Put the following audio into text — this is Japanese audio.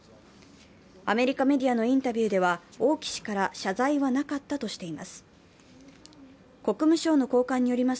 アメリカメディアのインタビューでは、王毅氏から謝罪はなかったとしています。